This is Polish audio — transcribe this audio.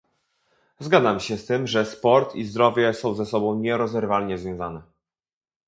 Zgadzam się z tym, że sport i zdrowie są ze sobą nierozerwalnie związane